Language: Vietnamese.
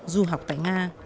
du học tại nga